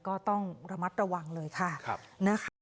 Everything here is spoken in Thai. ก็ต้องระมัดระวังเลยค่ะนะคะ